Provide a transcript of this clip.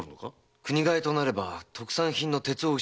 国替となれば特産品の鉄を失います。